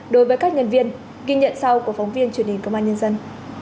đối với các nhân viên ghi nhận sau của phóng viên truyền hình công an nhân dân